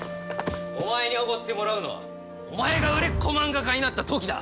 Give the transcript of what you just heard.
お前におごってもらうのはお前が売れっ子マンガ家になった時だ！